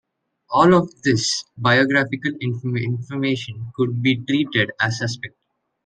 All of this biographical information could be treated as suspect.